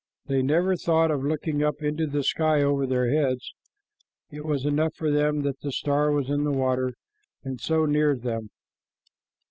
They never thought of looking up into the sky over their heads. It was enough for them that the star was in the water and so near them.